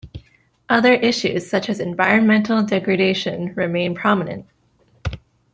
Other issues such as environmental degradation remain prominent.